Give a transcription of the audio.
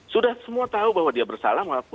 sudah semua tahu bahwa dia bersalah maaf maaf